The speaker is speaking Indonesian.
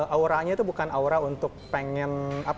auranya itu bukan aura untuk pengen